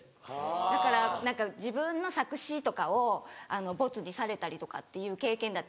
だから何か自分の作詞とかをボツにされたりとかっていう経験だっていっぱい。